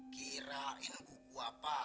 kirain buku apa